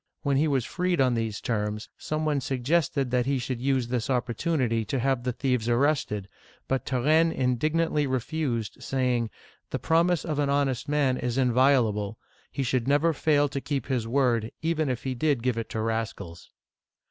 When he was freed on these terms, some one suggested that he should use this opportunity to have the thieves arrested ; but Turenne indignantly re fused, saying :" The promise of an honest man is invio lable. He should never fail to keep his word, even if he did give it to rascals